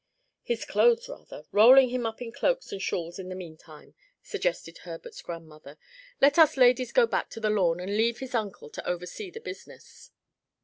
"His clothes rather; rolling him up in cloaks and shawls in the meantime," suggested Herbert's grandmother. "Let us ladies go back to the lawn, and leave his uncle to oversee the business."